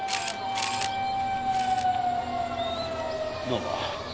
どうも。